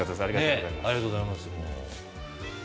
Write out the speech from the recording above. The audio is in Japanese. ありがとうございます。